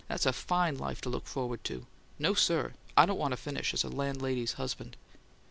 That's a FINE life to look forward to! No, sir; I don't want to finish as a landlady's husband!"